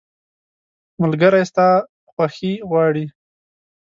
ملګری ستا خوښي غواړي.